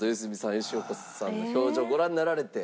吉岡さんの表情ご覧になられて。